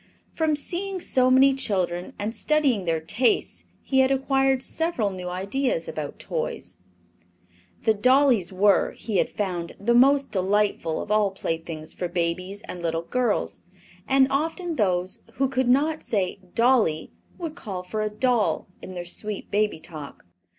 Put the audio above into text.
From seeing so many children and studying their tastes he had acquired several new ideas about toys. The dollies were, he had found, the most delightful of all playthings for babies and little girls, and often those who could not say "dolly" would call for a "doll" in their sweet baby talk.